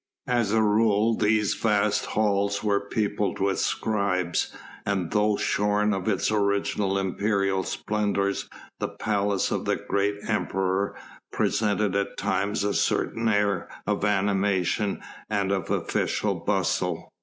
As a rule these vast halls were peopled with scribes, and though shorn of its original imperial splendours the palace of the great Emperor presented at times a certain air of animation and of official bustle.